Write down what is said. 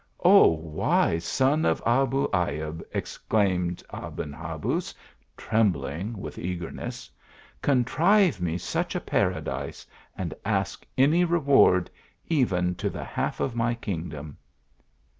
" "O, wise son of Abu Ayub," exclaimed Aben Habuz, trembling with eagerness "Contrive me such a paradise, and ask any reward, even to the half of my kingdom."